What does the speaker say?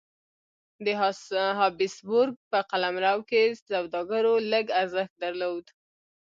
د هابسبورګ په قلمرو کې سوداګرو لږ ارزښت درلود.